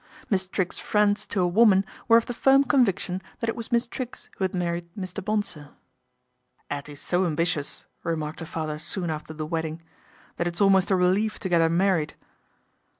Miss Triggs's friends to a woman were of the firm conviction that it was Miss Triggs who had married Mr. Bonsor. ' 'Ettie's so ambitious." remarked her father soon after the wedding, " that it's almost a relief to get 'er married."